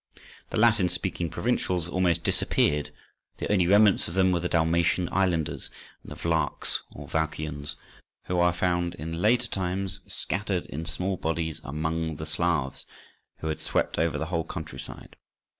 The Latin speaking provincials almost disappeared: the only remnants of them were the Dalmatian islanders and the "Vlachs" or Wallachians who are found in later times scattered in small bodies among the Slavs who had swept over the whole country side.